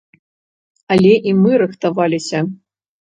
Але і мы рыхтаваліся.